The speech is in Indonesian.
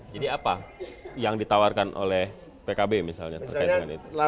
jadi apa yang ditawarkan oleh pkb misalnya terkait dengan itu